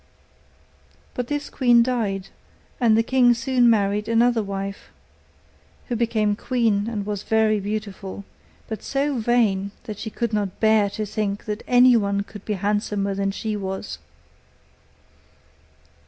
But this queen died; and the king soon married another wife, who became queen, and was very beautiful, but so vain that she could not bear to think that anyone could be handsomer than she was.